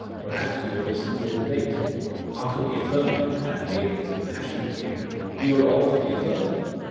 Perhaps you have listened to a debate. After the affirmative had made his impassioned plea you were all for the affirmative.